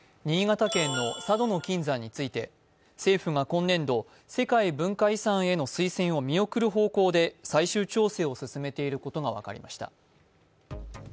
新潟県の佐渡の金山について、政府が今年度、世界文化遺産への推薦を見送る方向で最終調整を進めていることが分かりました。